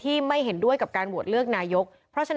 ทางคุณชัยธวัดก็บอกว่าการยื่นเรื่องแก้ไขมาตรวจสองเจน